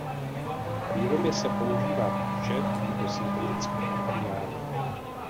K výrobě se používá kůže nebo syntetické materiály.